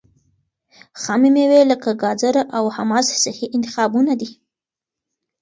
خامې مېوې لکه ګاځره او حمص صحي انتخابونه دي.